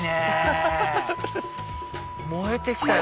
燃えてきたよ。